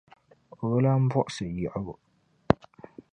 O bi lan buɣisi yiɣibu.